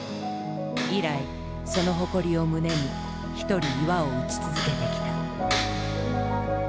以来その誇りを胸に一人岩を打ち続けてきた。